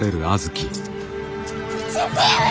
父上！